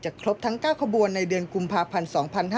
ครบทั้ง๙ขบวนในเดือนกุมภาพันธ์๒๕๕๙